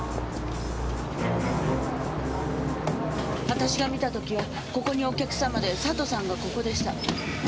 私が見た時はここにお客様で佐藤さんがここでした。